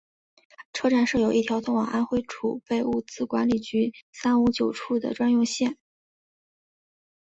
车站设有一条通往安徽储备物资管理局三五九处的专用线。